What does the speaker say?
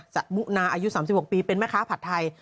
สมุนาอายุ๓๖ปีเป็นแม่ค้าผัดไทย